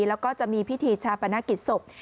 แล้วก็จะมีพิธีชาปนกิจศพ